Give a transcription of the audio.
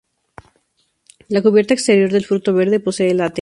La cubierta exterior del fruto verde posee látex.